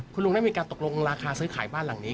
คุณลุงได้มีการตกลงราคาซื้อขายบ้านหลังนี้